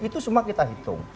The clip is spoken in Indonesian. itu semua kita hitung